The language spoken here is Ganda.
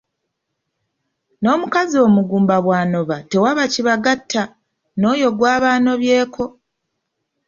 N’omukazi omugumba bw’anoba tewaba kibagatta n’oyo gw’anobyeko.